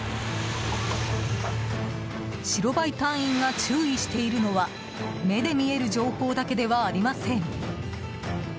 白バイ隊員が注意しているのは目で見える情報だけではありません。